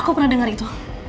aku pernah dengar itu